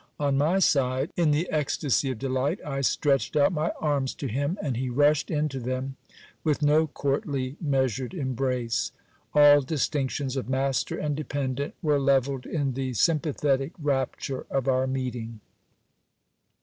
On my side, in the ecstasy of delight, I stretched out my arms to him, and he rushed into them with no courtly measured embrace. All distinctions of master and dependent were levelled in the sympathetic rapture of our meeting.